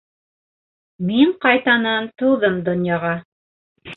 Мин ҡайтанан тыуҙым донъяға...